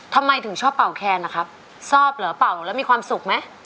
ทำไมถึงชอบเป่าแคนล่ะครับชอบเหรอเป่าแล้วมีความสุขไหม